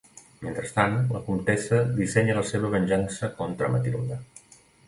Mentrestant, la comtessa dissenya la seva venjança contra Matilde.